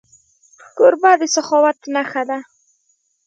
کوربه د سخاوت نښه ده.